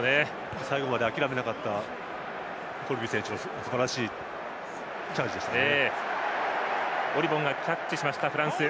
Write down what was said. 最後まで諦めなかったコルビ選手のすばらしいチャージでしたね。